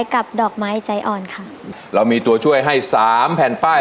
ดอกไม้ใจอ่อนค่ะเรามีตัวช่วยให้สามแผ่นป้าย